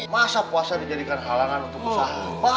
masa puasa dijadikan halangan untuk usaha